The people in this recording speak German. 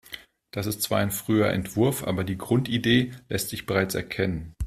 Das ist zwar ein früher Entwurf, aber die Grundidee lässt sich bereits erkennen.